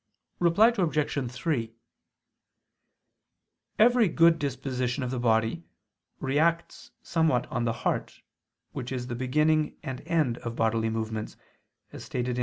Reply Obj. 3: Every good disposition of the body reacts somewhat on the heart, which is the beginning and end of bodily movements, as stated in _De Causa Mot.